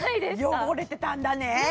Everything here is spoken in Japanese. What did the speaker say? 汚れてたんだね